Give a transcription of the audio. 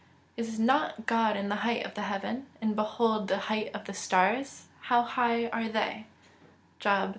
[Verse: "Is not God in the height of the heaven? and behold the height of the stars, how high they are?"